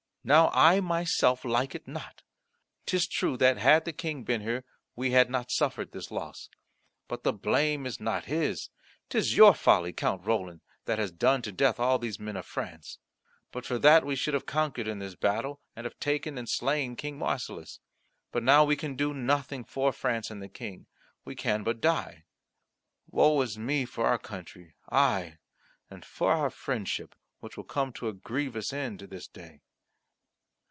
Now I myself like it not. 'Tis true that had the King been here, we had not suffered this loss. But the blame is not his. 'Tis your folly, Count Roland, that has done to death all these men of France. But for that we should have conquered in this battle, and have taken and slain King Marsilas. But now we can do nothing for France and the King. We can but die. Woe is me for our country, aye, and for our friendship, which will come to a grievous end this day."